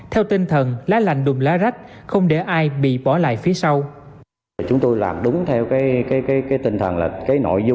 theo tinh thần lá lành đùm lá rách không để ai bị bỏ lại phía sau